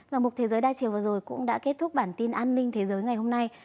và một thế giới đa chiều vừa rồi cũng đã kết thúc bản tin an ninh thế giới ngày hôm nay